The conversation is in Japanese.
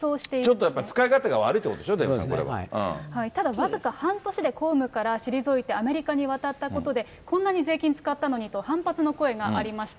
ちょっとやっぱり使い勝手が悪いってことでしょ、デーブさん、ただ僅か半年で公務から退いてアメリカに渡ったことで、こんなに税金使ったのにと、反発の声がありました。